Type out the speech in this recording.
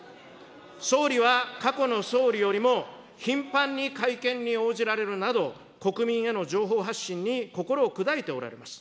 総理は、過去の総理よりも頻繁に会見に応じられるなど、国民への情報発信に心を砕いておられます。